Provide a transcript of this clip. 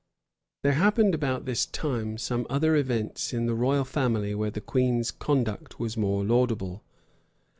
There happened, about this time, some other events in the royal family where the queen's conduct was more laudable.